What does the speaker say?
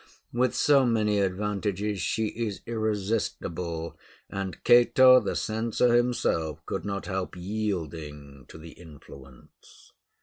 With so many advantages, she is irresistible, and Cato the Censor himself could not help yielding to the influence.